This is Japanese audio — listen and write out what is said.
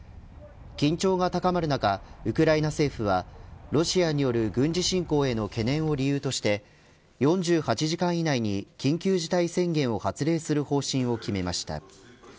緊張が高まる中ウクライナ政府はロシアによる軍事侵攻への懸念を理由として４８時間以内に緊急事態宣言を発令する方針を決めました。